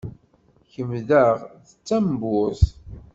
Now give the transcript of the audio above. Kemm daɣ d tamburt?